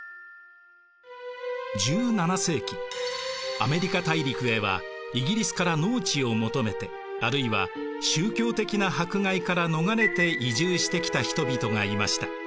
アメリカ大陸へはイギリスから農地を求めてあるいは宗教的な迫害から逃れて移住してきた人々がいました。